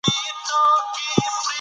سړی د ستونزو په وړاندې خپل هوډ نه بایلي